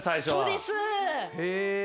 そうです。